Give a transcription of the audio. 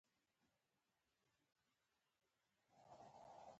د ملا انډیوالي تر شکرانې وي